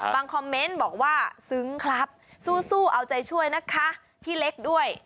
คอมเมนต์บอกว่าซึ้งครับสู้เอาใจช่วยนะคะพี่เล็กด้วย